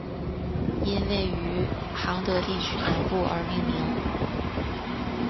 因位于行德地区南部而命名。